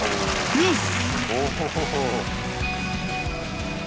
よし！